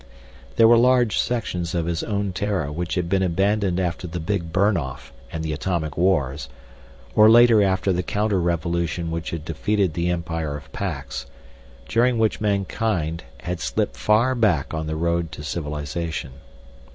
There were large sections of his own Terra which had been abandoned after the Big Burn Off and the atomic wars, or later after the counterrevolution which had defeated the empire of Pax, during which mankind had slipped far back on the road to civilization.